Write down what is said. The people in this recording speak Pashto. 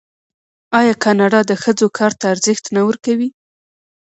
آیا کاناډا د ښځو کار ته ارزښت نه ورکوي؟